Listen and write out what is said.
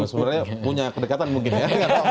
sebenarnya punya kedekatan mungkin ya